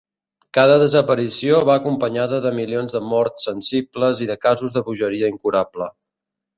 Cada desaparició va acompanyada de milions de morts sensibles i de casos de bogeria incurable.